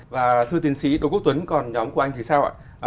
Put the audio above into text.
và thưa tiến sĩ đỗ quốc tuấn còn nhóm của anh thì sao ạ